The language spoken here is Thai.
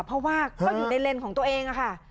เพราะว่าก็อยู่ในเลนส์ของตัวเองค่ะ